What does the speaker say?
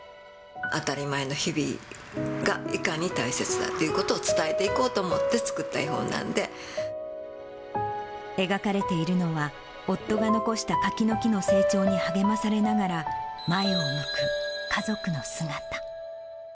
当たり前の日々がいかに大切かということを伝えていこうと思描かれているのは、夫が残した柿の木の成長に励まされながら、前を向く家族の姿。